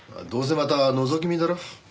どうせまたのぞき見だろ？